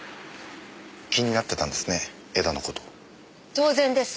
当然です。